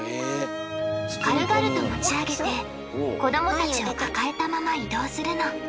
軽々と持ち上げて子どもたちを抱えたまま移動するの。